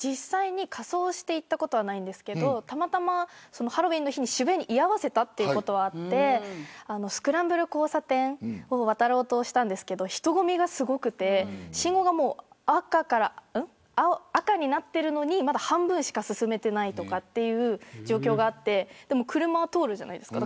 仮装をして行ったことはありませんがたまたまハロウィーンの日に渋谷に居合わせたことがあってスクランブル交差点を渡ろうとしたんですけど人混みがすごくて信号が赤になっているのに半分しか進めていないという状況があってでも、車は通るじゃないですか。